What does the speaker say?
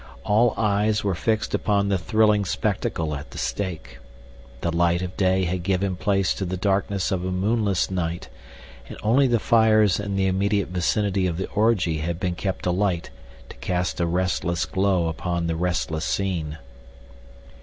All eyes were fixed upon the thrilling spectacle at the stake. The light of day had given place to the darkness of a moonless night, and only the fires in the immediate vicinity of the orgy had been kept alight to cast a restless glow upon the restless scene.